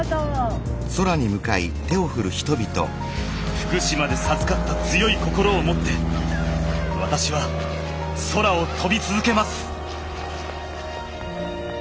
福島で授かった強い心をもって私は空を飛び続けます。